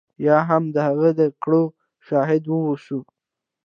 یا هم د هغه د کړاو شاهد واوسو.